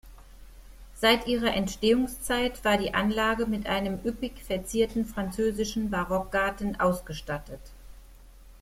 Seit ihrer Entstehungszeit war die Anlage mit einem üppig verzierten französischen Barockgarten ausgestattet.